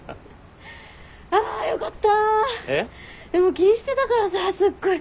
気にしてたからさすっごい。